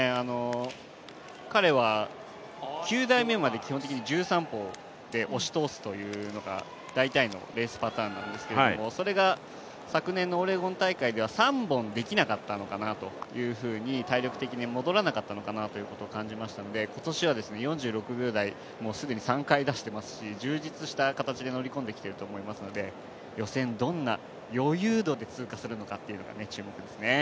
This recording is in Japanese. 彼は９台目まで基本的には１３歩で押し通すというのが大体のレースパターンなんですがそれが昨年のオレゴン大会では、３本できなかったのかなと体力的に戻らなかったのかなと感じますので今年は４６秒台を既に３回出していますし充実した形で乗り込んできていると思いますので予選、どんな余裕度で通過するのか注目ですね。